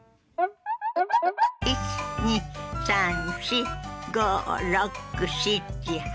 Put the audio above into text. １２３４５６７８。